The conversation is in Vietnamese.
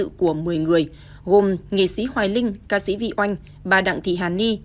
các bài viết của một mươi người gồm nghị sĩ hoài linh ca sĩ vị oanh bà đặng thị hà ni